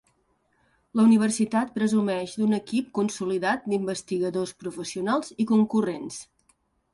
La universitat presumeix d'un equip consolidat d'investigadors professionals i concurrents.